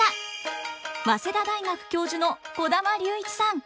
早稲田大学教授の児玉竜一さん。